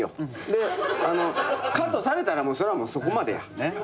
でカットされたらそれはもうそこまでや。